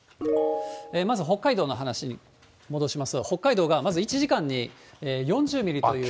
まず北海道の話に戻しますが、北海道が、まず１時間に４０ミリという。